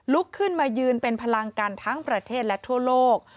ลุกขึ้นมายืนเป็นพลังกันทั้งประเทศและทั่วโลก